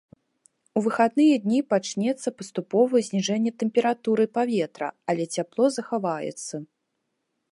У выхадныя дні пачнецца паступовае зніжэнне тэмпературы паветра, але цяпло захаваецца.